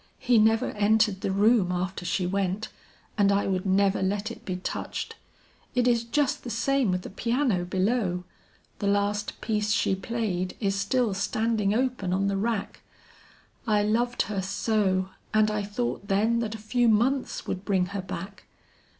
He never entered the room after she went and I would never let it be touched. It is just the same with the piano below. The last piece she played is still standing open on the rack. I loved her so, and I thought then that a few months would bring her back!